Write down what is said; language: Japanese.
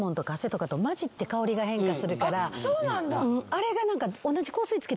あれが何か。